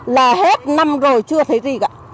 là hết năm rồi chưa thấy gì cả